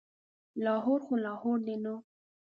لاهور خو لاهور دی نو.